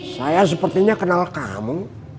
saya sepertinya kenal kamu